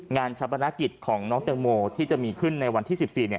งานชะพนาคิดของน้องเตอร์โมที่จะมีขึ้นในวันที่๑๔